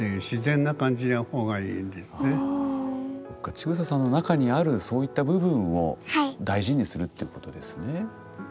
チグサさんの中にあるそういった部分を大事にするということですね。